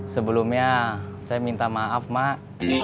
sebelumnya saya minta maaf mak